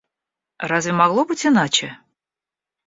Разве могло быть иначе?